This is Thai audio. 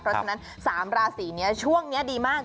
เพราะฉะนั้น๓ราศีนี้ช่วงนี้ดีมาก